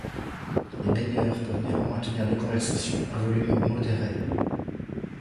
Les baigneurs peuvent néanmoins tenir des conversations à volume modéré.